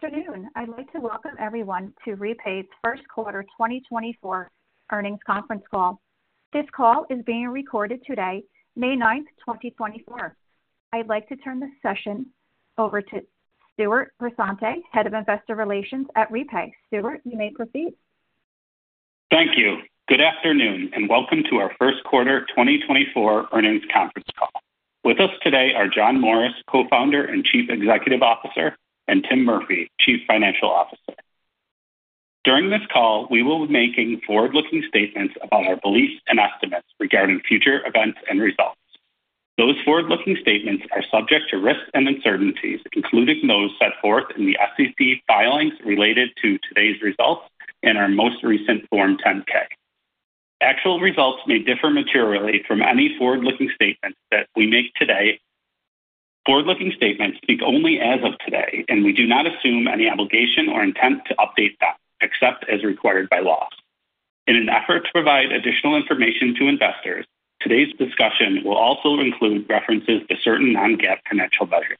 Good afternoon. I'd like to welcome everyone to Repay's First Quarter 2024 Earnings Conference Call. This call is being recorded today, May 9th, 2024. I'd like to turn the session over to Stewart Grisante, Head of Investor Relations at Repay. Stewart, you may proceed. Thank you. Good afternoon and welcome to our first quarter 2024 earnings conference call. With us today are John Morris, Co-Founder and Chief Executive Officer, and Tim Murphy, Chief Financial Officer. During this call, we will be making forward-looking statements about our beliefs and estimates regarding future events and results. Those forward-looking statements are subject to risks and uncertainties, including those set forth in the SEC filings related to today's results in our most recent Form 10-K. Actual results may differ materially from any forward-looking statements that we make today. Forward-looking statements speak only as of today, and we do not assume any obligation or intent to update that, except as required by law. In an effort to provide additional information to investors, today's discussion will also include references to certain non-GAAP financial measures.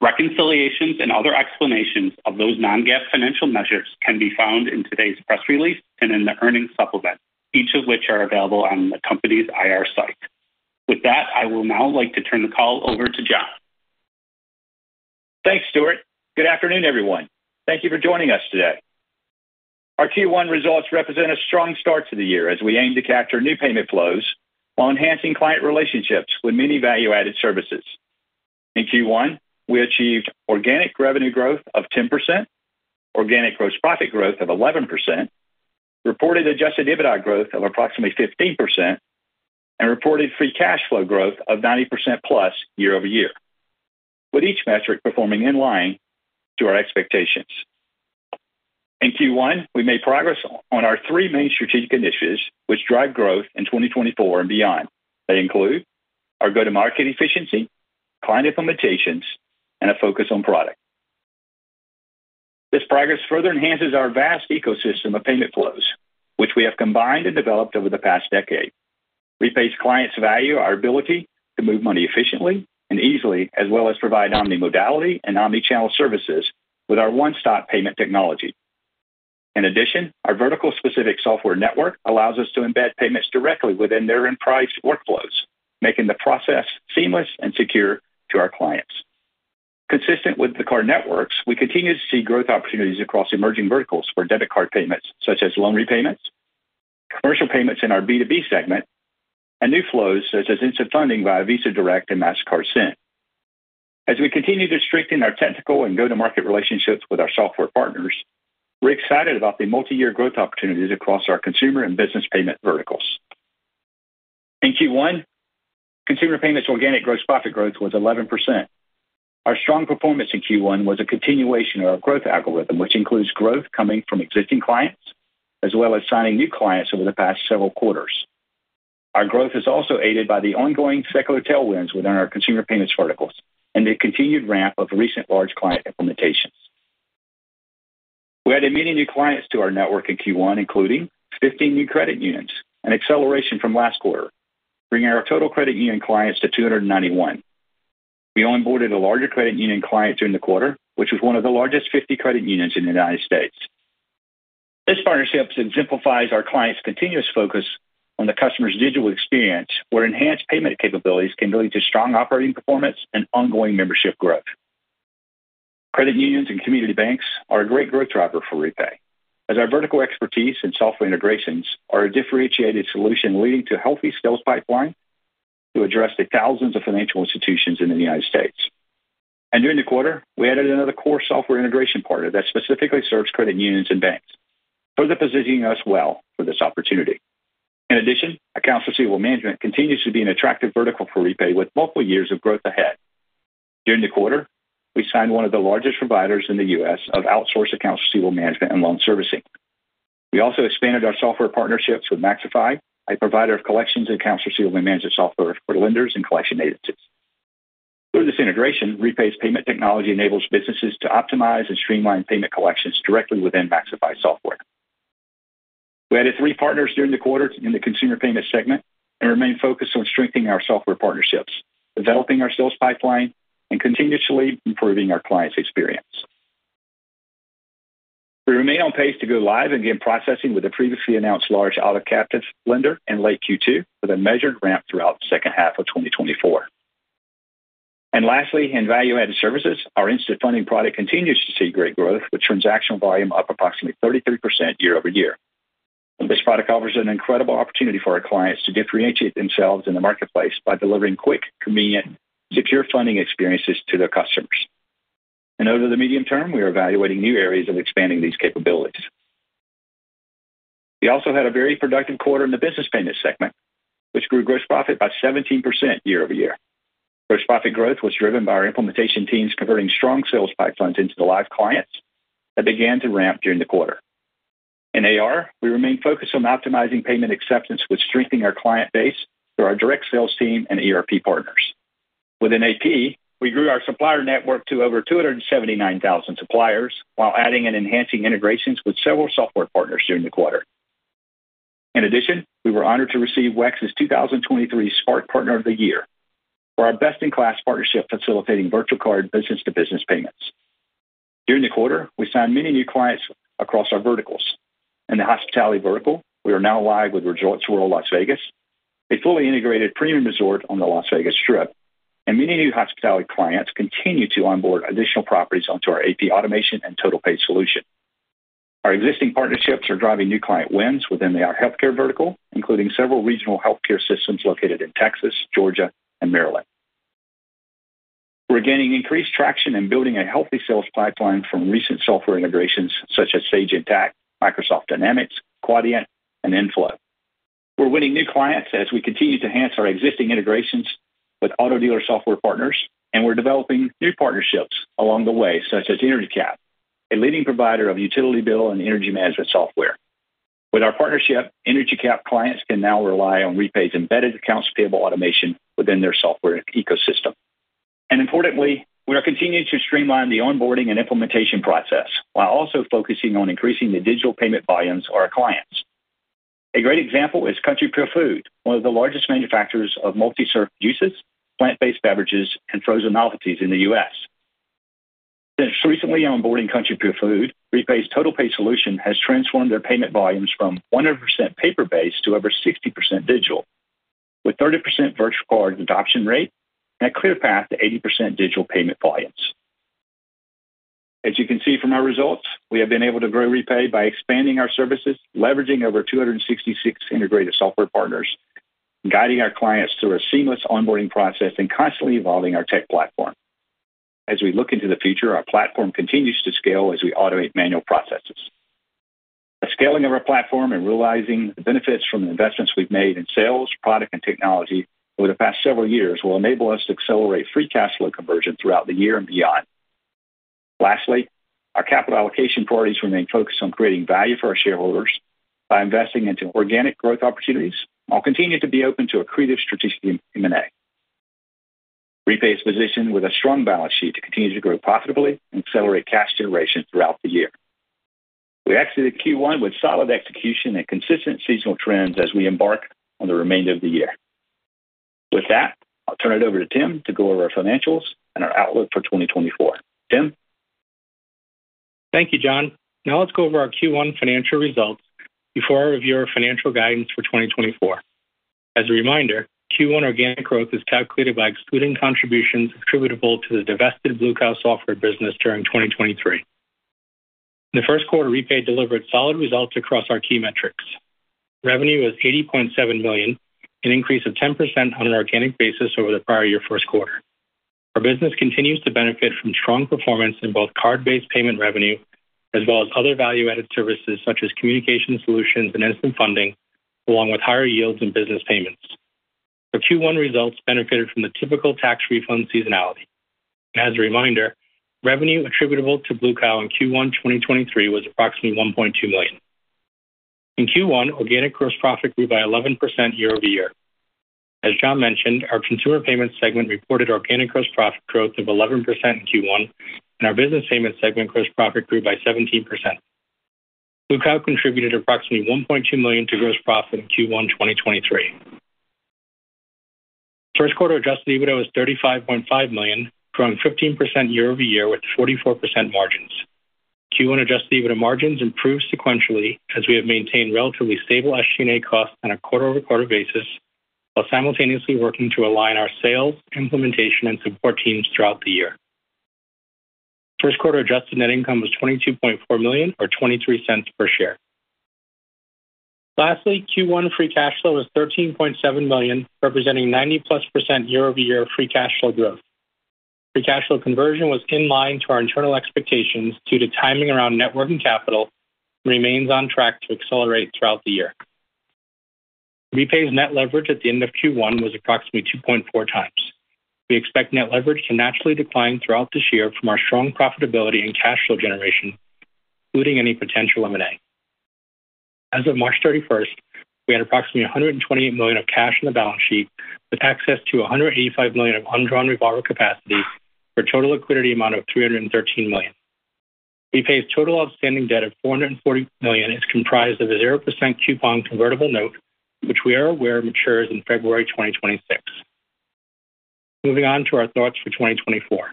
Reconciliations and other explanations of those non-GAAP financial measures can be found in today's press release and in the earnings supplement, each of which are available on the company's IR site. With that, I will now like to turn the call over to John. Thanks, Stewart. Good afternoon, everyone. Thank you for joining us today. Our Q1 results represent a strong start to the year as we aim to capture new payment flows while enhancing client relationships with many value-added services. In Q1, we achieved organic revenue growth of 10%, organic gross profit growth of 11%, reported adjusted EBITDA growth of approximately 15%, and reported free cash flow growth of 90%+ year-over-year, with each metric performing in line to our expectations. In Q1, we made progress on our three main strategic initiatives which drive growth in 2024 and beyond. They include our go-to-market efficiency, client implementations, and a focus on product. This progress further enhances our vast ecosystem of payment flows, which we have combined and developed over the past decade. REPAY's clients value our ability to move money efficiently and easily, as well as provide omni-modality and omni-channel services with our one-stop payment technology. In addition, our vertical-specific software network allows us to embed payments directly within their in-house workflows, making the process seamless and secure to our clients. Consistent with the card networks, we continue to see growth opportunities across emerging verticals for debit card payments such as loan repayments, commercial payments in our B2B segment, and new flows such as instant funding via Visa Direct and Mastercard Send. As we continue to strengthen our technical and go-to-market relationships with our software partners, we're excited about the multi-year growth opportunities across our consumer and business payment verticals. In Q1, consumer payments organic gross profit growth was 11%. Our strong performance in Q1 was a continuation of our growth algorithm, which includes growth coming from existing clients as well as signing new clients over the past several quarters. Our growth is also aided by the ongoing secular tailwinds within our consumer payments verticals and the continued ramp of recent large client implementations. We added many new clients to our network in Q1, including 15 new credit unions, an acceleration from last quarter, bringing our total credit union clients to 291. We onboarded a larger credit union client during the quarter, which was one of the largest 50 credit unions in the United States. This partnership exemplifies our clients' continuous focus on the customer's digital experience, where enhanced payment capabilities can lead to strong operating performance and ongoing membership growth. Credit unions and community banks are a great growth driver for REPAY, as our vertical expertise and software integrations are a differentiated solution leading to a healthy sales pipeline to address the thousands of financial institutions in the United States. And during the quarter, we added another core software integration partner that specifically serves credit unions and banks, further positioning us well for this opportunity. In addition, accounts receivable management continues to be an attractive vertical for REPAY with multiple years of growth ahead. During the quarter, we signed one of the largest providers in the U.S. of outsourced accounts receivable management and loan servicing. We also expanded our software partnerships with Maxifi, a provider of collections and accounts receivable management software for lenders and collection agencies. Through this integration, REPAY's payment technology enables businesses to optimize and streamline payment collections directly within Maxifi software. We added three partners during the quarter in the consumer payments segment and remain focused on strengthening our software partnerships, developing our sales pipeline, and continuously improving our clients' experience. We remain on pace to go live and begin processing with the previously announced large auto captive lender in late Q2 with a measured ramp throughout the second half of 2024. And lastly, in value-added services, our instant funding product continues to see great growth, with transactional volume up approximately 33% year-over-year. This product offers an incredible opportunity for our clients to differentiate themselves in the marketplace by delivering quick, convenient, secure funding experiences to their customers. And over the medium term, we are evaluating new areas of expanding these capabilities. We also had a very productive quarter in the business payments segment, which grew gross profit by 17% year-over-year. Gross profit growth was driven by our implementation teams converting strong sales pipelines into the live clients that began to ramp during the quarter. In AR, we remain focused on optimizing payment acceptance with strengthening our client base through our direct sales team and ERP partners. Within AP, we grew our supplier network to over 279,000 suppliers while adding and enhancing integrations with several software partners during the quarter. In addition, we were honored to receive WEX's 2023 Spark Partner of the Year for our best-in-class partnership facilitating virtual card business-to-business payments. During the quarter, we signed many new clients across our verticals. In the hospitality vertical, we are now live with Resorts World Las Vegas, a fully integrated premium resort on the Las Vegas Strip, and many new hospitality clients continue to onboard additional properties onto our AP automation and TotalPay Solution. Our existing partnerships are driving new client wins within the healthcare vertical, including several regional healthcare systems located in Texas, Georgia, and Maryland. We're gaining increased traction and building a healthy sales pipeline from recent software integrations such as Sage Intacct, Microsoft Dynamics, Quadient, and Infor. We're winning new clients as we continue to enhance our existing integrations with auto dealer software partners, and we're developing new partnerships along the way such as EnergyCAP, a leading provider of utility bill and energy management software. With our partnership, EnergyCAP clients can now rely on REPAY's embedded accounts payable automation within their software ecosystem. And importantly, we are continuing to streamline the onboarding and implementation process while also focusing on increasing the digital payment volumes of our clients. A great example is Country Pure Foods, one of the largest manufacturers of multi-serve juices, plant-based beverages, and frozen novelties in the U.S. Since recently onboarding Country Pure Foods, REPAY's TotalPay Solution has transformed their payment volumes from 100% paper-based to over 60% digital, with 30% virtual card adoption rate and a clear path to 80% digital payment volumes. As you can see from our results, we have been able to grow REPAY by expanding our services, leveraging over 266 integrated software partners, guiding our clients through a seamless onboarding process, and constantly evolving our tech platform. As we look into the future, our platform continues to scale as we automate manual processes. The scaling of our platform and realizing the benefits from the investments we've made in sales, product, and technology over the past several years will enable us to accelerate free cash flow conversion throughout the year and beyond. Lastly, our capital allocation priorities remain focused on creating value for our shareholders by investing into organic growth opportunities while continuing to be open to a creative strategic M&A. REPAY's position with a strong balance sheet continues to grow profitably and accelerate cash generation throughout the year. We exited Q1 with solid execution and consistent seasonal trends as we embark on the remainder of the year. With that, I'll turn it over to Tim to go over our financials and our outlook for 2024. Tim? Thank you, John. Now let's go over our Q1 financial results before I review our financial guidance for 2024. As a reminder, Q1 organic growth is calculated by excluding contributions attributable to the divested Blue Cow software business during 2023. In the first quarter, Repay delivered solid results across our key metrics. Revenue was $80.7 million, an increase of 10% on an organic basis over the prior year's first quarter. Our business continues to benefit from strong performance in both card-based payment revenue as well as other value-added services such as communication solutions and instant funding, along with higher yields in business payments. Our Q1 results benefited from the typical tax refund seasonality. As a reminder, revenue attributable to Blue Cow in Q1 2023 was approximately $1.2 million. In Q1, organic gross profit grew by 11% year-over-year. As John mentioned, our consumer payments segment reported organic gross profit growth of 11% in Q1, and our business payments segment gross profit grew by 17%. Blue Cow contributed approximately $1.2 million to gross profit in Q1 2023. First quarter adjusted EBITDA was $35.5 million, growing 15% year-over-year with 44% margins. Q1 adjusted EBITDA margins improved sequentially as we have maintained relatively stable SG&A costs on a quarter-over-quarter basis while simultaneously working to align our sales, implementation, and support teams throughout the year. First quarter adjusted net income was $22.4 million or $0.23 per share. Lastly, Q1 free cash flow was $13.7 million, representing 90%+ year-over-year free cash flow growth. Free cash flow conversion was in line to our internal expectations due to timing around net working capital and remains on track to accelerate throughout the year. REPAY's net leverage at the end of Q1 was approximately 2.4 times. We expect net leverage to naturally decline throughout this year from our strong profitability and cash flow generation, including any potential M&A. As of March 31st, we had approximately $128 million of cash on the balance sheet with access to $185 million of undrawn revolver capacity for a total liquidity amount of $313 million. REPAY's total outstanding debt of $440 million is comprised of a 0% coupon convertible note, which we are aware matures in February 2026. Moving on to our thoughts for 2024.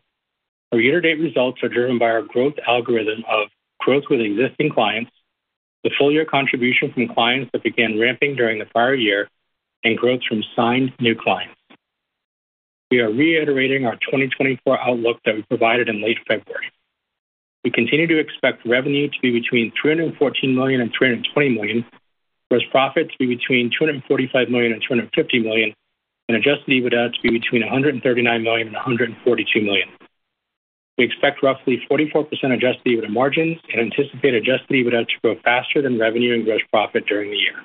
Our year-to-date results are driven by our growth algorithm of growth with existing clients, the full-year contribution from clients that began ramping during the prior year, and growth from signed new clients. We are reiterating our 2024 outlook that we provided in late February. We continue to expect revenue to be between $314 million and $320 million, gross profit to be between $245 million and $250 million, and adjusted EBITDA to be between $139 million and $142 million. We expect roughly 44% adjusted EBITDA margins and anticipate adjusted EBITDA to grow faster than revenue and gross profit during the year.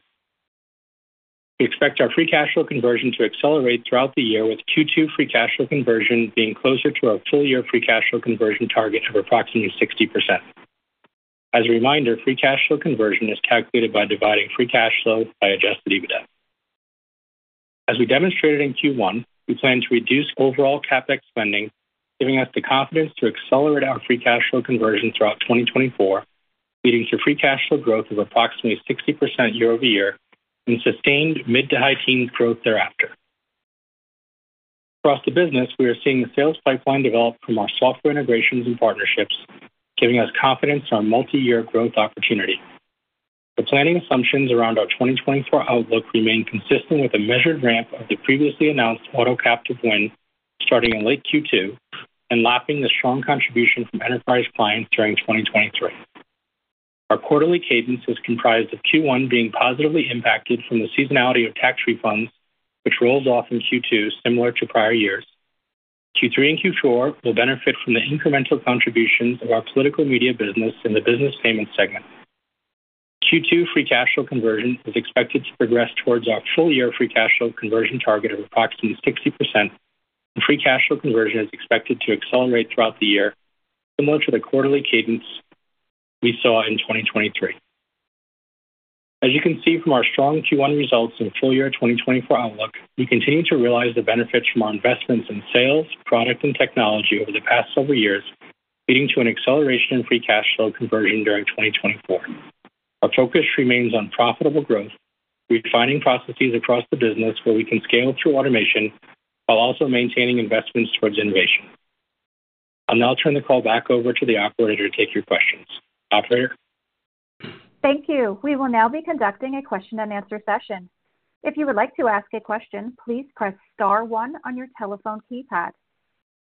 We expect our free cash flow conversion to accelerate throughout the year, with Q2 free cash flow conversion being closer to our full-year free cash flow conversion target of approximately 60%. As a reminder, free cash flow conversion is calculated by dividing free cash flow by adjusted EBITDA. As we demonstrated in Q1, we plan to reduce overall CapEx spending, giving us the confidence to accelerate our free cash flow conversion throughout 2024, leading to free cash flow growth of approximately 60% year-over-year and sustained mid- to high-teens growth thereafter. Across the business, we are seeing the sales pipeline develop from our software integrations and partnerships, giving us confidence in our multi-year growth opportunity. The planning assumptions around our 2024 outlook remain consistent with a measured ramp of the previously announced auto captive win starting in late Q2 and lapping the strong contribution from enterprise clients during 2023. Our quarterly cadence is comprised of Q1 being positively impacted from the seasonality of tax refunds, which rolls off in Q2 similar to prior years. Q3 and Q4 will benefit from the incremental contributions of our political media business in the business payments segment. Q2 free cash flow conversion is expected to progress towards our full-year free cash flow conversion target of approximately 60%, and free cash flow conversion is expected to accelerate throughout the year, similar to the quarterly cadence we saw in 2023. As you can see from our strong Q1 results and full-year 2024 outlook, we continue to realize the benefits from our investments in sales, product, and technology over the past several years, leading to an acceleration in free cash flow conversion during 2024. Our focus remains on profitable growth, refining processes across the business where we can scale through automation while also maintaining investments towards innovation. I'll now turn the call back over to the operator to take your questions. Operator? Thank you. We will now be conducting a question-and-answer session. If you would like to ask a question, please press star one on your telephone keypad.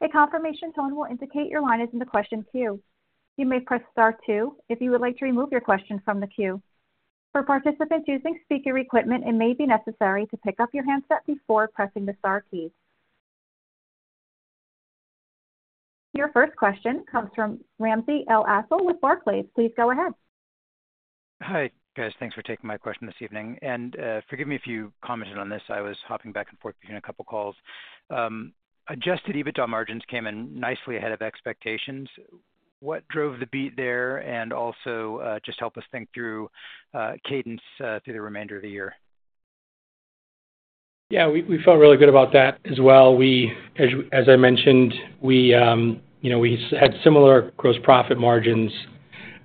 A confirmation tone will indicate your line is in the question queue. You may press star two if you would like to remove your question from the queue. For participants using speaker equipment, it may be necessary to pick up your handset before pressing the star key. Your first question comes from Ramsey El-Assal with Barclays. Please go ahead. Hi, guys. Thanks for taking my question this evening. Forgive me if you commented on this. I was hopping back and forth between a couple of calls. Adjusted EBITDA margins came in nicely ahead of expectations. What drove the beat there and also just help us think through cadence through the remainder of the year? Yeah, we felt really good about that as well. As I mentioned, we had similar gross profit margins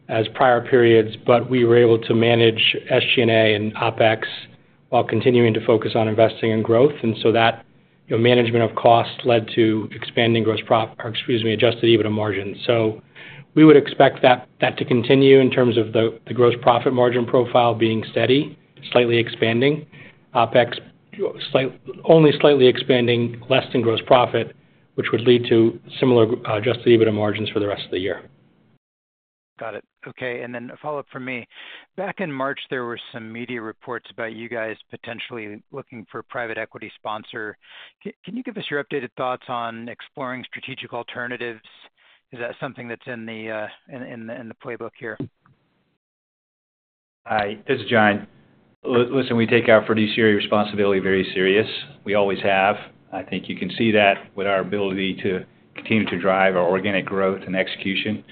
as prior periods, but we were able to manage SG&A and OpEx while continuing to focus on investing in growth. And so that management of cost led to expanding gross profit or, excuse me, adjusted EBITDA margins. So we would expect that to continue in terms of the gross profit margin profile being steady, slightly expanding, OpEx only slightly expanding less than gross profit, which would lead to similar adjusted EBITDA margins for the rest of the year. Got it. Okay. And then a follow-up from me. Back in March, there were some media reports about you guys potentially looking for a private equity sponsor. Can you give us your updated thoughts on exploring strategic alternatives? Is that something that's in the playbook here? Hi. This is John. Listen, we take our fiduciary responsibility very seriously. We always have. I think you can see that with our ability to continue to drive our organic growth and execution.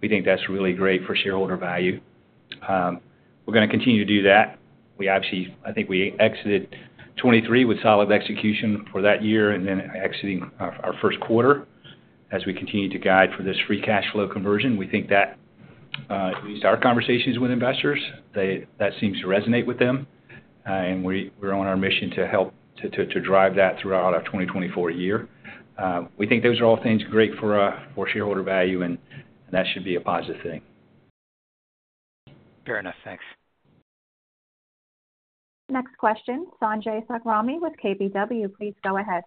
We think that's really great for shareholder value. We're going to continue to do that. I think we exited 2023 with solid execution for that year and then exiting our first quarter as we continue to guide for this free cash flow conversion. We think that, at least our conversations with investors, that seems to resonate with them. And we're on our mission to help to drive that throughout our 2024 year. We think those are all things great for shareholder value, and that should be a positive thing. Fair enough. Thanks. Next question, Sanjay Sakhrani with KBW. Please go ahead.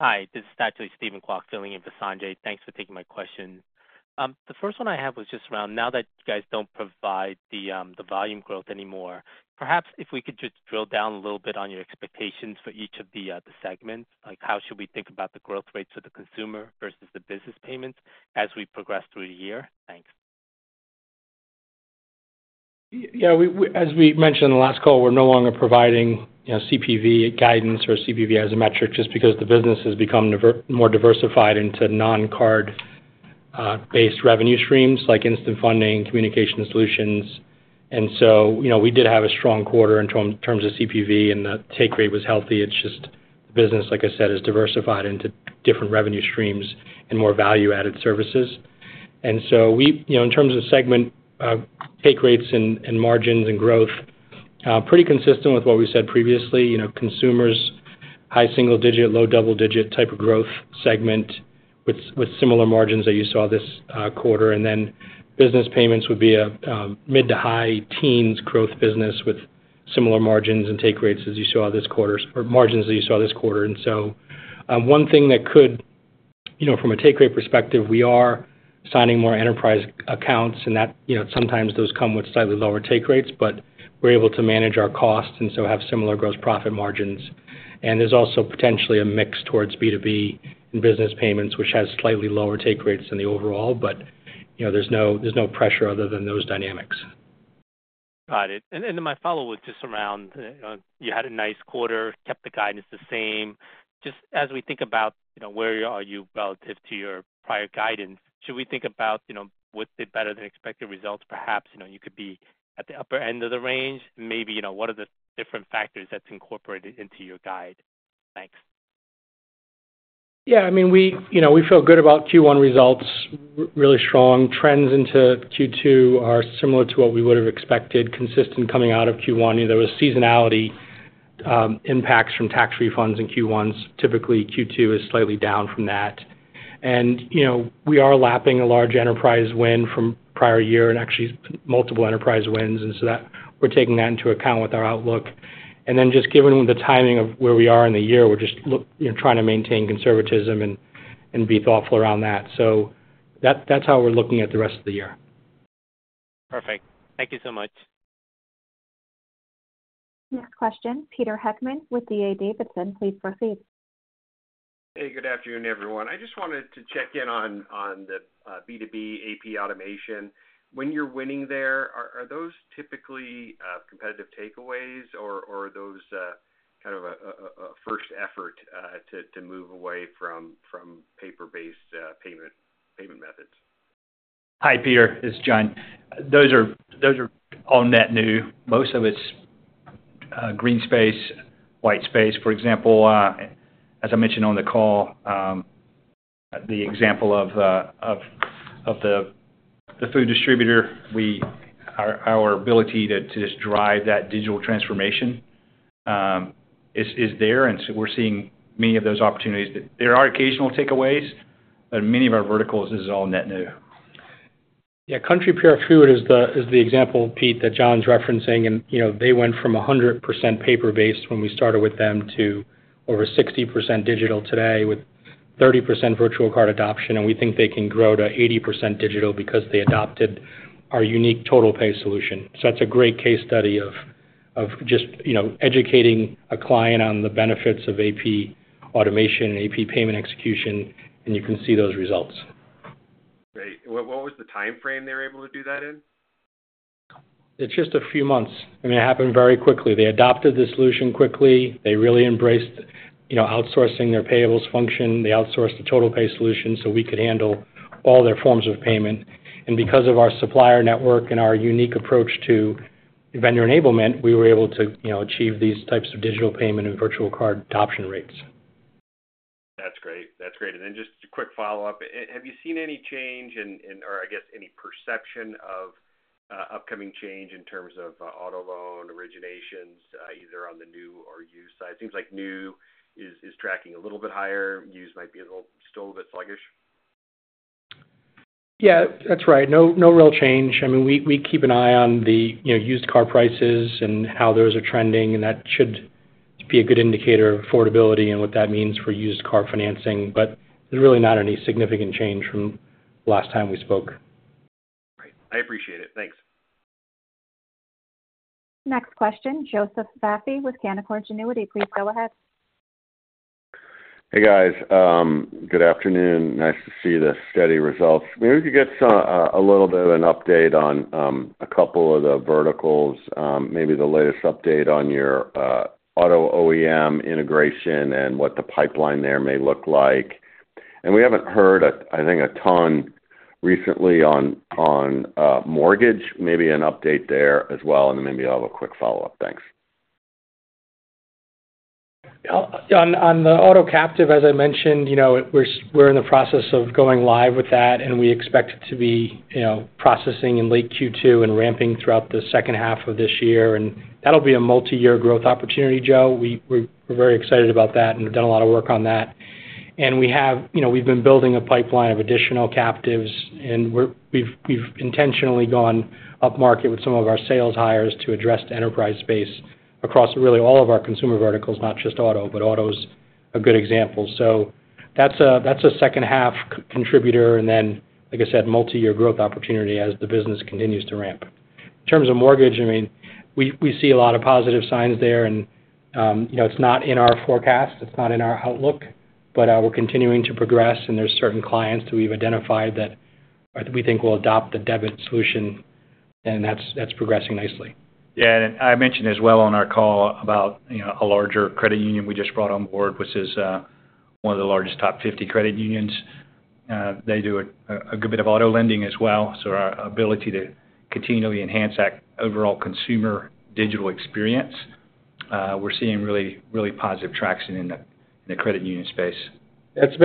Hi. This is actually Steven Kwok filling in for Sanjay. Thanks for taking my question. The first one I have was just around now that you guys don't provide the volume growth anymore, perhaps if we could just drill down a little bit on your expectations for each of the segments, like how should we think about the growth rates for the consumer versus the business payments as we progress through the year? Thanks. Yeah. As we mentioned in the last call, we're no longer providing CPV guidance or CPV as a metric just because the business has become more diversified into non-card-based revenue streams like instant funding, communication solutions. And so we did have a strong quarter in terms of CPV, and the take rate was healthy. It's just the business, like I said, is diversified into different revenue streams and more value-added services. And so in terms of segment take rates and margins and growth, pretty consistent with what we said previously, consumers, high single-digit, low double-digit type of growth segment with similar margins that you saw this quarter. And then business payments would be a mid to high teens growth business with similar margins and take rates as you saw this quarter or margins that you saw this quarter. One thing that could from a take rate perspective, we are signing more enterprise accounts, and sometimes those come with slightly lower take rates, but we're able to manage our costs and so have similar gross profit margins. There's also potentially a mix towards B2B and business payments, which has slightly lower take rates than the overall, but there's no pressure other than those dynamics. Got it. And then my follow-up was just around you had a nice quarter, kept the guidance the same. Just as we think about where are you relative to your prior guidance, should we think about with the better-than-expected results, perhaps you could be at the upper end of the range? Maybe what are the different factors that's incorporated into your guide? Thanks. Yeah. I mean, we feel good about Q1 results, really strong. Trends into Q2 are similar to what we would have expected, consistent coming out of Q1. There was seasonality impacts from tax refunds in Q1's. Typically, Q2 is slightly down from that. We are lapping a large enterprise win from prior year and actually multiple enterprise wins. So we're taking that into account with our outlook. Then just given the timing of where we are in the year, we're just trying to maintain conservatism and be thoughtful around that. So that's how we're looking at the rest of the year. Perfect. Thank you so much. Next question, Peter Heckman with D.A. Davidson. Please proceed. Hey. Good afternoon, everyone. I just wanted to check in on the B2B AP automation. When you're winning there, are those typically competitive takeaways, or are those kind of a first effort to move away from paper-based payment methods? Hi, Peter. This is John. Those are all net new. Most of it's green space, white space. For example, as I mentioned on the call, the example of the food distributor, our ability to just drive that digital transformation is there. And so we're seeing many of those opportunities. There are occasional takeaways, but in many of our verticals, this is all net new. Yeah. Country Pure Foods is the example, Pete, that John's referencing. And they went from 100% paper-based when we started with them to over 60% digital today with 30% virtual card adoption. And we think they can grow to 80% digital because they adopted our unique TotalPay Solution. So that's a great case study of just educating a client on the benefits of AP automation and AP payment execution. And you can see those results. Great. What was the time frame they were able to do that in? It's just a few months. I mean, it happened very quickly. They adopted the solution quickly. They really embraced outsourcing their payables function. They outsourced the TotalPay Solution so we could handle all their forms of payment. And because of our supplier network and our unique approach to vendor enablement, we were able to achieve these types of digital payment and Virtual Card adoption rates. That's great. That's great. And then just a quick follow-up. Have you seen any change or, I guess, any perception of upcoming change in terms of auto loan originations, either on the new or used side? It seems like new is tracking a little bit higher. Used might be still a bit sluggish. Yeah, that's right. No real change. I mean, we keep an eye on the used car prices and how those are trending, and that should be a good indicator of affordability and what that means for used car financing. But there's really not any significant change from last time we spoke. Great. I appreciate it. Thanks. Next question, Joseph Vafi with Canaccord Genuity. Please go ahead. Hey, guys. Good afternoon. Nice to see the steady results. Maybe we could get a little bit of an update on a couple of the verticals, maybe the latest update on your auto OEM integration and what the pipeline there may look like. And we haven't heard, I think, a ton recently on mortgage. Maybe an update there as well. And then maybe I'll have a quick follow-up. Thanks. Yeah. On the auto captive, as I mentioned, we're in the process of going live with that, and we expect it to be processing in late Q2 and ramping throughout the second half of this year. And that'll be a multi-year growth opportunity, Joe. We're very excited about that and have done a lot of work on that. And we've been building a pipeline of additional captives, and we've intentionally gone upmarket with some of our sales hires to address the enterprise space across really all of our consumer verticals, not just auto, but auto's a good example. So that's a second-half contributor and then, like I said, multi-year growth opportunity as the business continues to ramp. In terms of mortgage, I mean, we see a lot of positive signs there, and it's not in our forecast. It's not in our outlook, but we're continuing to progress. There's certain clients that we've identified that we think will adopt the debit solution, and that's progressing nicely. Yeah. And I mentioned as well on our call about a larger credit union we just brought on board, which is one of the largest top 50 credit unions. They do a good bit of auto lending as well. So our ability to continually enhance that overall consumer digital experience, we're seeing really positive traction in the credit union space. It's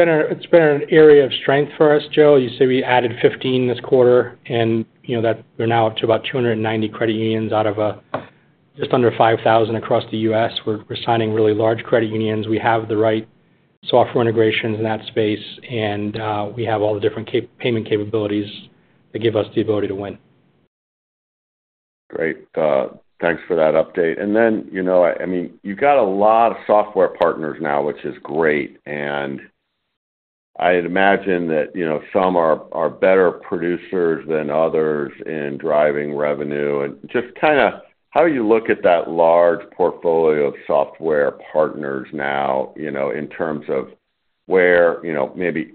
been an area of strength for us, Joe. You say we added 15 this quarter, and we're now up to about 290 credit unions out of just under 5,000 across the U.S. We're signing really large credit unions. We have the right software integrations in that space, and we have all the different payment capabilities that give us the ability to win. Great. Thanks for that update. And then, I mean, you've got a lot of software partners now, which is great. And I'd imagine that some are better producers than others in driving revenue. And just kind of how do you look at that large portfolio of software partners now in terms of where maybe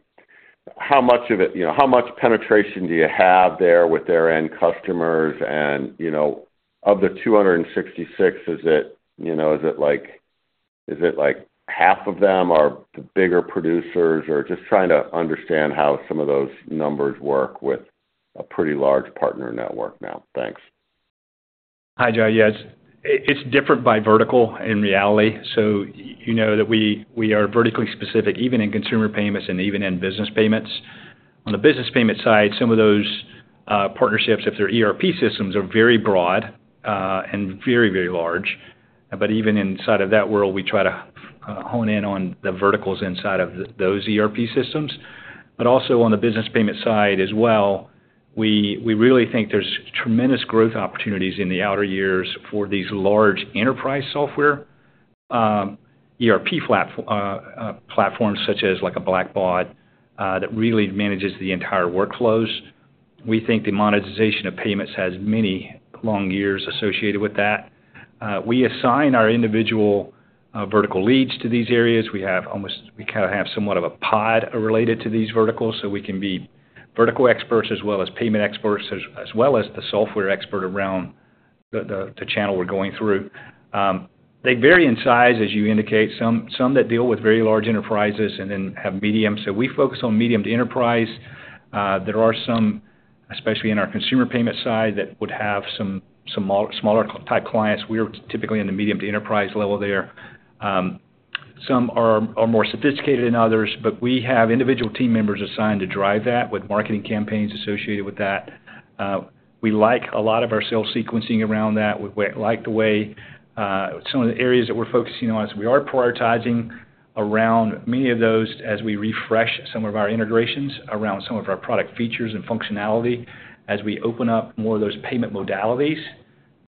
how much of it how much penetration do you have there with their end customers? And of the 266, is it like half of them are the bigger producers? Or just trying to understand how some of those numbers work with a pretty large partner network now. Thanks. Hi, Joe. Yeah. It's different by vertical in reality. So you know that we are vertically specific, even in consumer payments and even in business payments. On the business payment side, some of those partnerships, if they're ERP systems, are very broad and very, very large. But even inside of that world, we try to hone in on the verticals inside of those ERP systems. But also on the business payment side as well, we really think there's tremendous growth opportunities in the outer years for these large enterprise software ERP platforms such as a Blackbaud that really manages the entire workflows. We think the monetization of payments has many long years associated with that. We assign our individual vertical leads to these areas. We kind of have somewhat of a pod related to these verticals. So we can be vertical experts as well as payment experts as well as the software expert around the channel we're going through. They vary in size, as you indicate. Some that deal with very large enterprises and then have medium. So we focus on medium to enterprise. There are some, especially in our consumer payment side, that would have some smaller-type clients. We're typically in the medium to enterprise level there. Some are more sophisticated than others, but we have individual team members assigned to drive that with marketing campaigns associated with that. We like a lot of our sales sequencing around that. We like the way some of the areas that we're focusing on is we are prioritizing around many of those as we refresh some of our integrations around some of our product features and functionality. As we open up more of those payment modalities,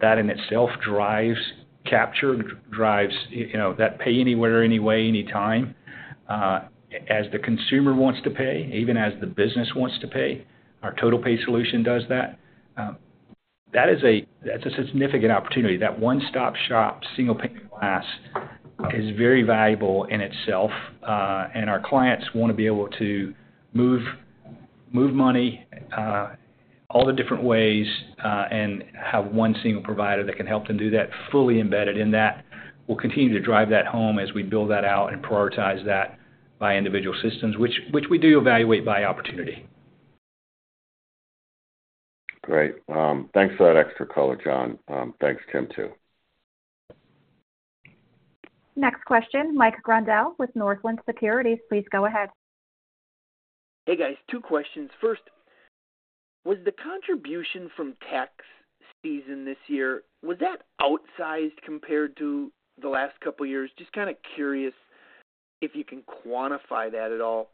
that in itself drives capture, drives that pay anywhere, any way, any time as the consumer wants to pay, even as the business wants to pay. Our TotalPay Solution does that. That is a significant opportunity. That one-stop shop single-payment glass is very valuable in itself. Our clients want to be able to move money all the different ways and have one single provider that can help them do that fully embedded in that. We'll continue to drive that home as we build that out and prioritize that by individual systems, which we do evaluate by opportunity. Great. Thanks for that extra color, John. Thanks, Tim, too. Next question, Mike Grondahl with Northland Securities. Please go ahead. Hey, guys. Two questions. First, was the contribution from tax season this year was that outsized compared to the last couple of years? Just kind of curious if you can quantify that at all?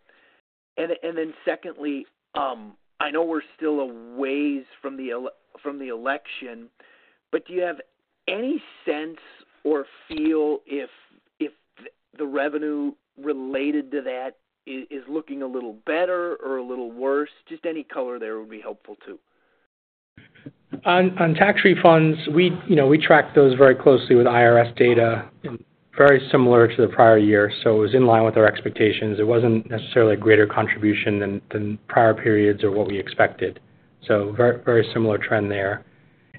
And then secondly, I know we're still a ways from the election, but do you have any sense or feel if the revenue related to that is looking a little better or a little worse? Just any color there would be helpful too. On tax refunds, we track those very closely with IRS data and very similar to the prior year. So it was in line with our expectations. It wasn't necessarily a greater contribution than prior periods or what we expected. So very similar trend there.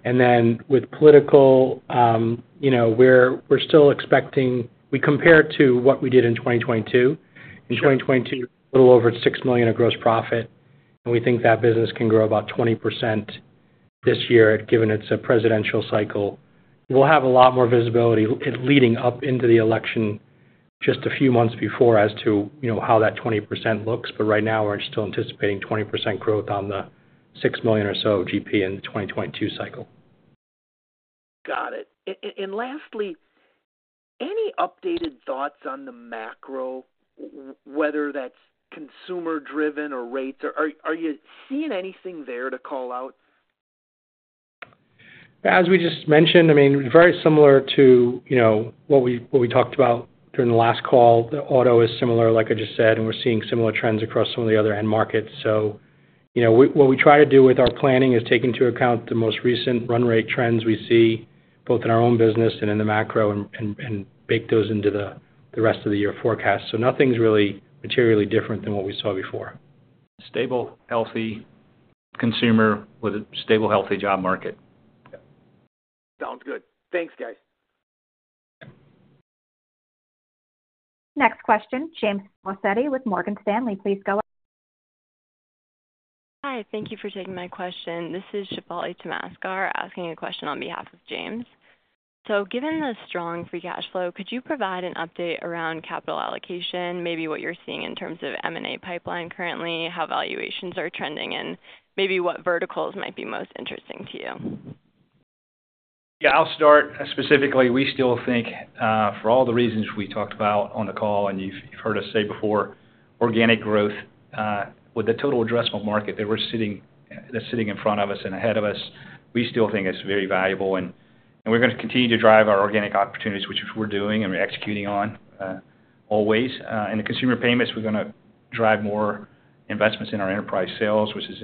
And then with political, we're still expecting we compare it to what we did in 2022. In 2022, a little over $6 million of gross profit. And we think that business can grow about 20% this year given it's a presidential cycle. We'll have a lot more visibility leading up into the election just a few months before as to how that 20% looks. But right now, we're still anticipating 20% growth on the $6 million or so GP in the 2022 cycle. Got it. Lastly, any updated thoughts on the macro, whether that's consumer-driven or rates? Are you seeing anything there to call out? As we just mentioned, I mean, very similar to what we talked about during the last call, the auto is similar, like I just said, and we're seeing similar trends across some of the other end markets. So what we try to do with our planning is take into account the most recent run-rate trends we see both in our own business and in the macro and bake those into the rest of the year forecast. So nothing's really materially different than what we saw before. Stable, healthy consumer with a stable, healthy job market. Sounds good. Thanks, guys. Next question, James Faucette with Morgan Stanley. Please go ahead. Hi. Thank you for taking my question. This is Shefali Tamaskar asking a question on behalf of James. Given the strong free cash flow, could you provide an update around capital allocation, maybe what you're seeing in terms of M&A pipeline currently, how valuations are trending, and maybe what verticals might be most interesting to you? Yeah. I'll start specifically. We still think for all the reasons we talked about on the call, and you've heard us say before, organic growth with the total addressable market that's sitting in front of us and ahead of us, we still think it's very valuable. We're going to continue to drive our organic opportunities, which we're doing and we're executing on always. In the consumer payments, we're going to drive more investments in our enterprise sales, which is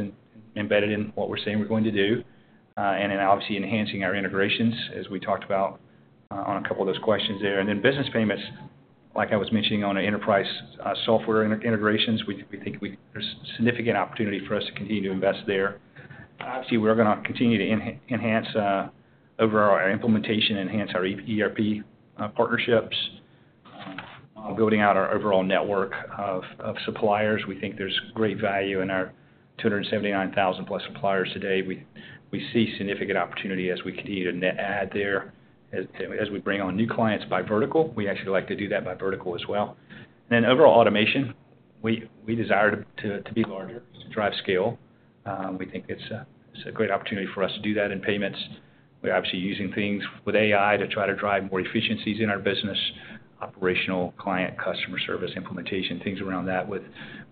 embedded in what we're saying we're going to do, and then obviously enhancing our integrations as we talked about on a couple of those questions there. Business payments, like I was mentioning, on enterprise software integrations, we think there's significant opportunity for us to continue to invest there. Obviously, we're going to continue to enhance overall our implementation, enhance our ERP partnerships, while building out our overall network of suppliers. We think there's great value in our 279,000+ suppliers today. We see significant opportunity as we continue to add there. As we bring on new clients by vertical, we actually like to do that by vertical as well. And then overall automation, we desire to be larger to drive scale. We think it's a great opportunity for us to do that in payments. We're obviously using things with AI to try to drive more efficiencies in our business, operational client customer service implementation, things around that with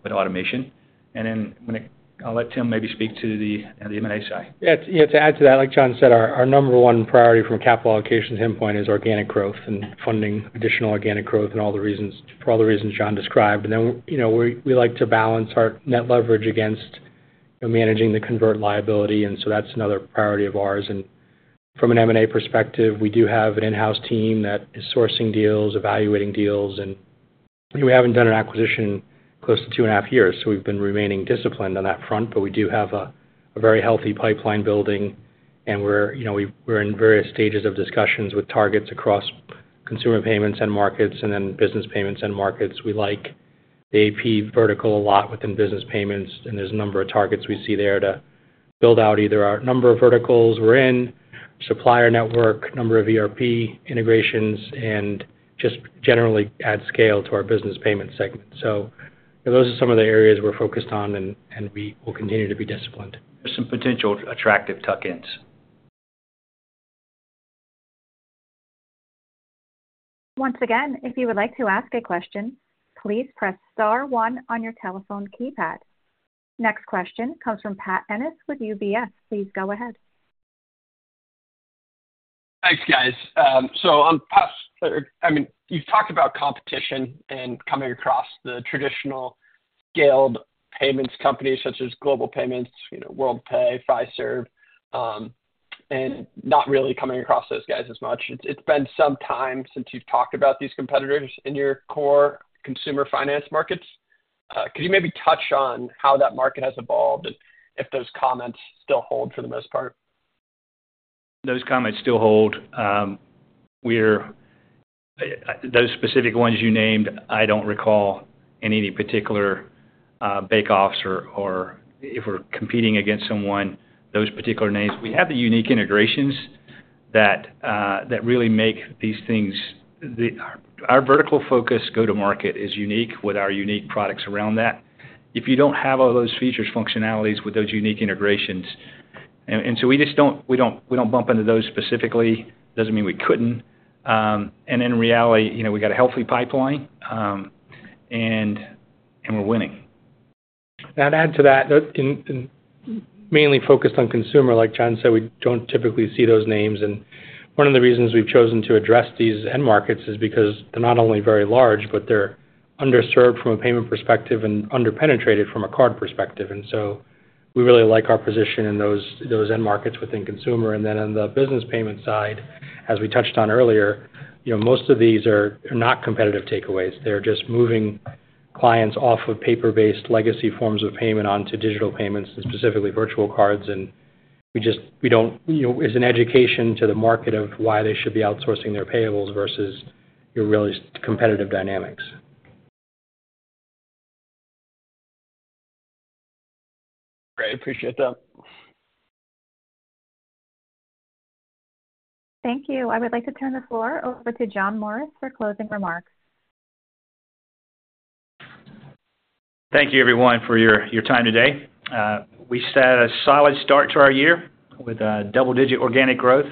automation. And then I'll let Tim maybe speak to the M&A side. Yeah. To add to that, like John said, our number one priority from capital allocation's endpoint is organic growth and funding additional organic growth and all the reasons for all the reasons John described. And then we like to balance our net leverage against managing the convert liability. And so that's another priority of ours. And from an M&A perspective, we do have an in-house team that is sourcing deals, evaluating deals. And we haven't done an acquisition close to 2.5 years, so we've been remaining disciplined on that front. But we do have a very healthy pipeline building, and we're in various stages of discussions with targets across consumer payments end markets and then business payments end markets. We like the AP vertical a lot within business payments, and there's a number of targets we see there to build out either our number of verticals we're in, supplier network, number of ERP integrations, and just generally add scale to our business payment segment. So those are some of the areas we're focused on, and we will continue to be disciplined. There's some potential attractive tuck-ins. Once again, if you would like to ask a question, please press star one on your telephone keypad. Next question comes from Pat Ennis with UBS. Please go ahead. Thanks, guys. So, I'm Pat. I mean, you've talked about competition and coming across the traditional scaled payments companies such as Global Payments, Worldpay, Fiserv, and not really coming across those guys as much. It's been some time since you've talked about these competitors in your core consumer finance markets. Could you maybe touch on how that market has evolved and if those comments still hold for the most part? Those comments still hold. Those specific ones you named, I don't recall in any particular bake-offs or if we're competing against someone, those particular names. We have the unique integrations that really make these things our vertical focus go-to-market is unique with our unique products around that. If you don't have all those features, functionalities with those unique integrations, so we don't bump into those specifically. It doesn't mean we couldn't. And in reality, we got a healthy pipeline, and we're winning. And to add to that, mainly focused on consumer, like John said, we don't typically see those names. And one of the reasons we've chosen to address these end markets is because they're not only very large, but they're underserved from a payment perspective and under-penetrated from a card perspective. And so we really like our position in those end markets within consumer. And then on the business payment side, as we touched on earlier, most of these are not competitive takeaways. They're just moving clients off of paper-based legacy forms of payment onto digital payments and specifically virtual cards. And we don't. It's an education to the market of why they should be outsourcing their payables versus your really competitive dynamics. Great. Appreciate that. Thank you. I would like to turn the floor over to John Morris for closing remarks. Thank you, everyone, for your time today. We set a solid start to our year with double-digit organic growth.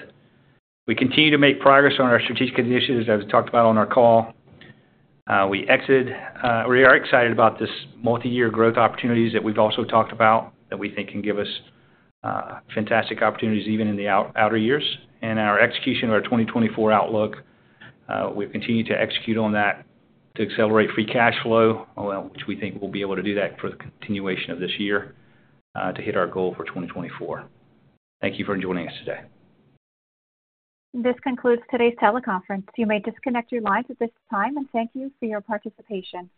We continue to make progress on our strategic initiatives, as we talked about on our call. We are excited about this multi-year growth opportunities that we've also talked about that we think can give us fantastic opportunities even in the outer years. And our execution of our 2024 outlook, we've continued to execute on that to accelerate free cash flow, which we think we'll be able to do that for the continuation of this year to hit our goal for 2024. Thank you for joining us today. This concludes today's teleconference. You may disconnect your lines at this time, and thank you for your participation.